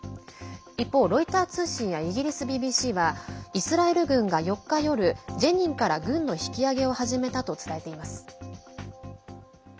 一方、ロイター通信やイギリスＢＢＣはイスラエル軍が４日夜ジェニンから軍の引き揚げを始めたと伝えています。